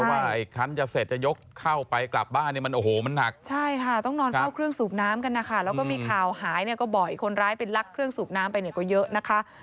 ว่าไอ้คันจะเสร็จจะยกเข้าไปกลับบ้านเนี่ยมันโอ้โหมันหนักใช่ค่ะต้องนอนเฝ้าเครื่องสูบน้ำกันนะคะแล้วก็มีข่าวหายเนี่ยก็บ่อยคนร้ายไปลักเครื่องสูบน้ำไปเนี่ยก็เยอะนะคะ